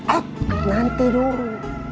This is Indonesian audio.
eh nanti dulu